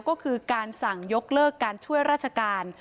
ก็คือการสั่งยกเลิกการช่วยราชการ